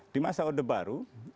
di masa odeh baru